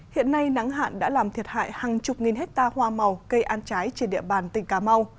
hiện nay nắng hạn đã làm thiệt hại hàng chục nghìn hectare hoa màu cây ăn trái trên địa bàn tỉnh cà mau